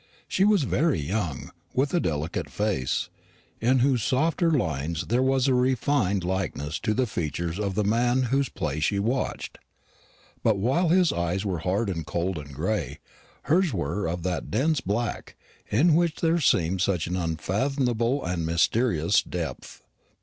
She was very young, with a delicate face, in whose softer lines there was a refined likeness to the features of the man whose play she watched. But while his eyes were hard and cold and gray, hers were of that dense black in which there seems such an unfathomable and mysterious depth.